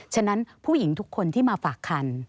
ฉะนั้นผู้หญิงทุกคนที่มาฝากคัน